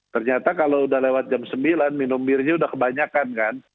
ternyata kalau udah lewat jam sembilan minum birnya udah kebanyakan kan